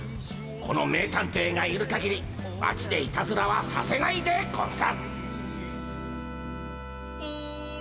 この名探偵がいるかぎり町でいたずらはさせないでゴンス。